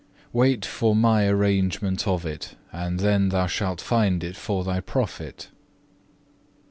Wait for My arrangement of it, and then thou shalt find it for thy profit."